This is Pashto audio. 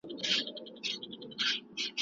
تاسي تل د خپلو دوستانو سره ناسته ولاړه لرئ.